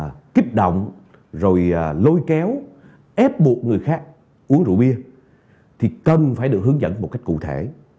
và kích động rồi lôi kéo ép buộc người khác uống rượu bia thì cần phải được hướng dẫn một cách cụ thể